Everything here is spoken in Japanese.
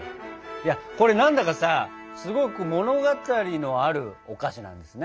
いやこれ何だかさすごく物語のあるお菓子なんですね。